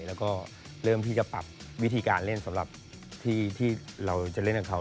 แล้วก็เริ่มที่จะปรับวิธีการเล่นสำหรับที่เราจะเล่นกับเขา